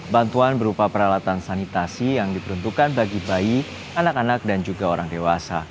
bantuan berupa peralatan sanitasi yang diperuntukkan bagi bayi anak anak dan juga orang dewasa